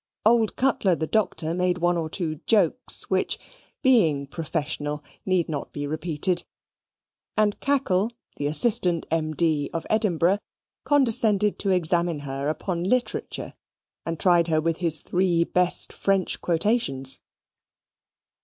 Old Cutler, the Doctor, made one or two jokes, which, being professional, need not be repeated; and Cackle, the Assistant M.D. of Edinburgh, condescended to examine her upon leeterature, and tried her with his three best French quotations.